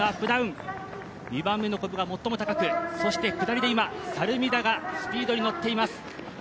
ダウン２番目のこぶが最も高く、そして下りで今、猿見田がスピードに乗っています。